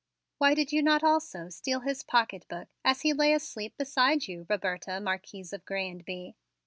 "Why did not you also steal his pocketbook as he lay asleep beside you, Roberta, Marquise of Grez and Bye?"